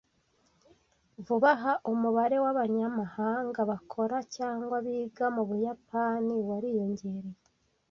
Vuba aha, umubare w’abanyamahanga bakora cyangwa biga mu Buyapani wariyongereye.